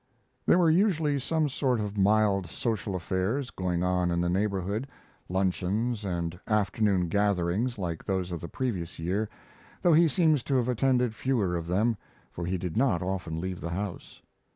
There were usually some sort of mild social affairs going on in the neighborhood, luncheons and afternoon gatherings like those of the previous year, though he seems to have attended fewer of them, for he did not often leave the house.